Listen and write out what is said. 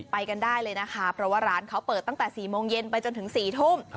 ไปกันได้เลยนะคะเพราะว่าร้านเขาเปิดตั้งแต่๔โมงเย็นไปจนถึง๔ทุ่ม